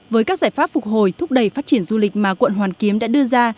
với các giải pháp phục hồi thúc đẩy phát triển du lịch mà quận hoàn kiếm đã đưa ra